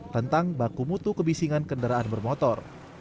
tentang baku mutu kebisingan kendaraan bermotor